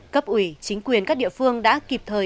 cấp ủy chính quyền các địa phương đã kịp thời